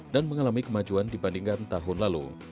dan mengalami kemajuan dibandingkan tahun lalu